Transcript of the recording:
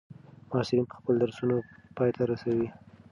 محصلین به خپل درسونه پای ته ورسوي.